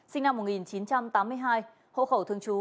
sinh năm một nghìn chín trăm tám mươi hai hộ khẩu thường trú